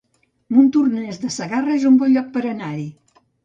Montornès de Segarra es un bon lloc per anar-hi